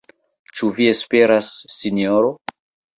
Ĉu vi esperas, sinjoro?